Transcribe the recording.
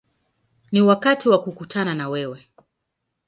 Ni wakati wa kukutana na wewe”.